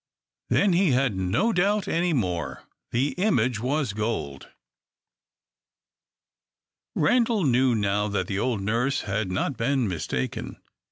Then he had no doubt any more. The image was gold! [Illustration: Page 308] Randal knew now that the old nurse had not been mistaken.